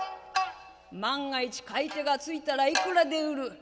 「万が一買い手がついたらいくらで売る？」。